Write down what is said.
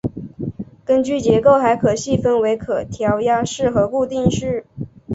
根据结构还可细分为可调压式和固定式。